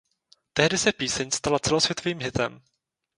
Tehdy se píseň stala celosvětovým hitem.